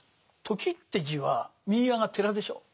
「時」って字は右側が寺でしょう。